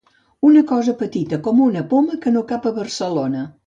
Una cosa petita com una poma, que no cap a Barcelona.